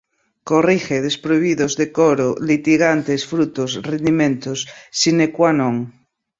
corrige, desprovidos, decoro, litigantes, frutos, rendimentos, sine qua non